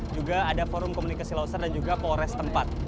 juga ada forum komunikasi leuser dan juga kolores tempat